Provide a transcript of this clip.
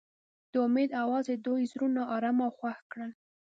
د امید اواز د دوی زړونه ارامه او خوښ کړل.